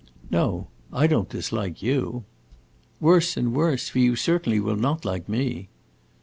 "No, I don't dislike you." "Worse and worse; for you certainly will not like me."